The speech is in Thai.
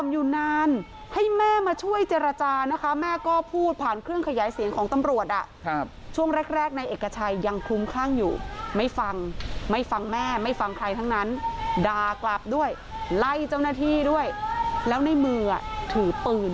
แย่ยามคุยก่อนแล้วมันยอมฟังดากลับไล่เจ้าหน้าที่ไล่ทุกคน